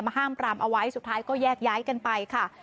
ห้ามปรามเอาไว้สุดท้ายก็แยกย้ายกันไปค่ะ